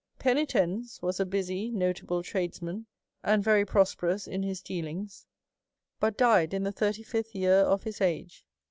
Penitens was a busy notable tradesman, and very jirosperous in his dealings ; but died in the thirty fifth year of his age.